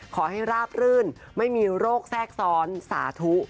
ขอให้ราบรื่นไม่มีโรคแทรกซ้อนสาธุ